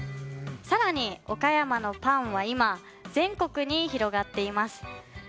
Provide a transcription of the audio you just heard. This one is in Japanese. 更に、岡山のパンは今全国に広がっています。